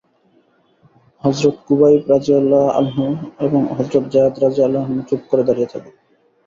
হযরত খুবাইব রাযিয়াল্লাহু আনহু এবং হযরত যায়েদ রাযিয়াল্লাহু আনহু চুপ করে দাঁড়িয়ে থাকেন।